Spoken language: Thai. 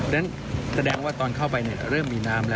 ดังนั้นแสดงว่าตอนเข้าไปเนี้ยเริ่มมีน้ำแล้ว